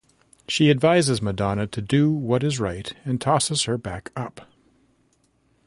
She advises Madonna to do what is right and tosses her back up.